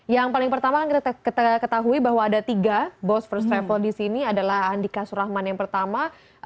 yang paling pertama kan kita ketahui bahwa ada tiga bos first travel di sini adalah andika surahman yang pertama